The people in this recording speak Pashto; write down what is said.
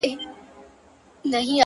زه وايم راسه شعر به وليكو ـ